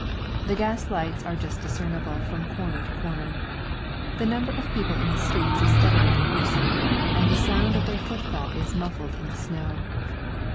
The gas lights are just discernible from corner to corner. The number of people in the streets is steadily decreasing, and the sound of their foot fall is muffled in the snow.